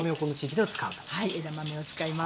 けれ枝豆を使います。